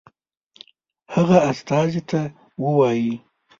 هغه استازي ته ووايي.